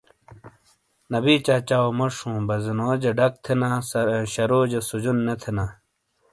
نبی چچاو موش ہوں بزنوجاڈک تھینا شروجہ تو سوجن نے تھینا ۔